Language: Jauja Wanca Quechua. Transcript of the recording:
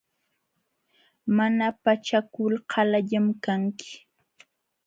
Mana pachakul qalallam kanki.